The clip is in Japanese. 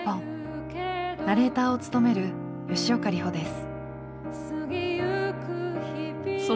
ナレーターを務める吉岡里帆です。